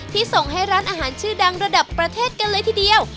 ส่งให้ร้านอาหารชื่อดังระดับประเทศกันเลยทีเดียว